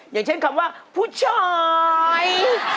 อย่างเช่นคำว่าผู้ชาย